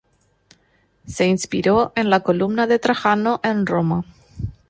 Se inspiró en la columna de Trajano en Roma.